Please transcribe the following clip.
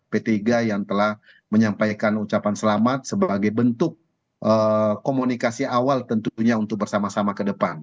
p tiga yang telah menyampaikan ucapan selamat sebagai bentuk komunikasi awal tentunya untuk bersama sama ke depan